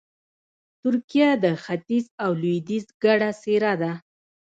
ترکیه د ختیځ او لویدیځ ګډه څېره ده.